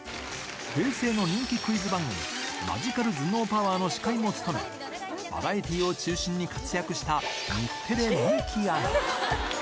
平成の人気クイズ番組、マジカル頭脳パワー！！の司会も務め、バラエティーを中心に活躍した日テレ人気アナ。